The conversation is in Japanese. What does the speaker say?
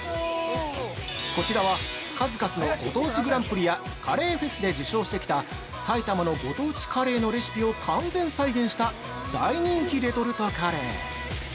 ◆こちらは数々のご当地グランプリやカレーフェスで受賞してきた埼玉のご当地カレーのレシピを完全再現した大人気レトルトカレー！